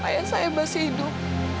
ayah saya masih hidup